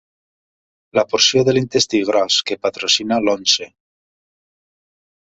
La porció de l'intestí gros que patrocina l'Once.